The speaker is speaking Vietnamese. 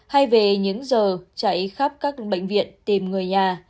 hay về những giờ chạy khắp các bệnh viện tìm người nhà